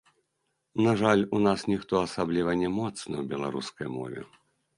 На жаль, у нас ніхто асаблівае не моцны ў беларускай мове.